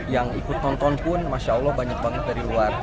yang ikut nonton pun masya allah banyak banget dari luar